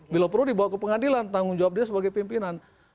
bila perlu dibawa ke pengadilan tanggung jawab dia sebagai pimpinan